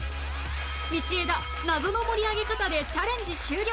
道枝謎の盛り上げ方でチャレンジ終了